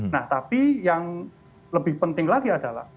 nah tapi yang lebih penting lagi adalah